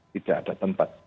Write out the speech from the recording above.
tidak ada tempat